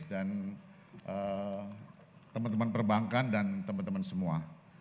dan teman teman perbankan dan teman teman semua